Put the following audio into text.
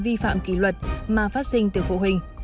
vi phạm kỳ luật mà phát sinh từ phụ huynh